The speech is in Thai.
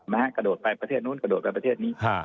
กระโดดไปประเทศนู้นกระโดดไปประเทศนี้